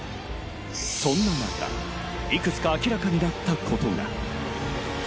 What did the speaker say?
そんな中、いくつか明らかになったことが。